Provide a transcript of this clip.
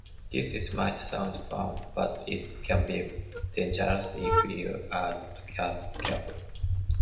This might sound fun, but it can be dangerous if you are not careful.